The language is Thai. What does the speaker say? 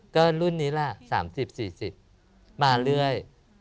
ก็รุ่นนี้แหละ๓๐๔๐มาเรื่อย